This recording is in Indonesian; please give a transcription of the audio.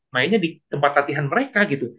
mainnya di tempat latihan mereka gitu